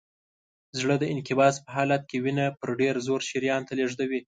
زړه د انقباض په حالت کې وینه په ډېر زور شریان ته لیږدوي.